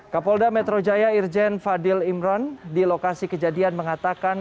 kapolda metro jaya irjen fadil imron di lokasi kejadian mengatakan